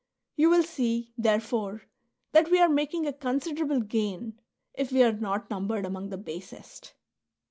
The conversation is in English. You will see, therefore, that we are making a considerable gain, if we are not numbered among the basest.